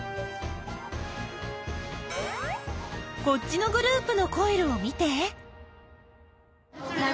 こっちのグループのコイルを見て。